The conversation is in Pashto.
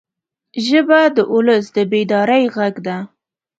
ژبه د ولس د بیدارۍ غږ ده